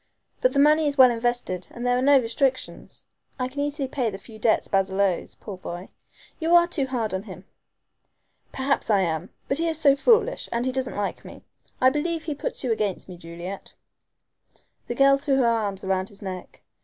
But the money is well invested and there are no restrictions. I can easily pay the few debts Basil owes, poor boy. You are too hard on him." "Perhaps I am. But he is so foolish, and he doesn't like me. I believe he puts you against me, Juliet." The girl threw her arms round his neck.